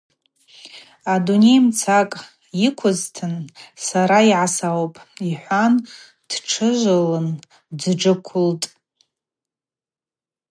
Адуней мцакӏ ыквызтын сара йгӏасаупӏ,—йхӏван дтшыжвылын дджвыквылтӏ.